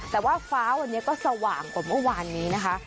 แต่ว่าฟ้าวันนี้ก็สว่างกว่าเมื่อวานนี้นะคะ